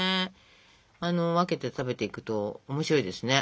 分けて食べていくと面白いですね。